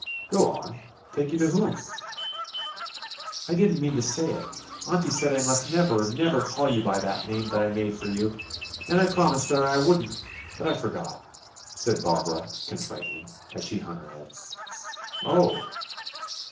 ''Go on. Take you to whom?" "I did n't mean to say it I Auntie said I must never, never call you by that name that I made for you, and I promised her I would n't, but I for got," said Barbara, contritely, as she hung her head. "O — h!